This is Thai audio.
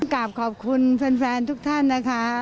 กลับขอบคุณแฟนทุกท่านนะคะ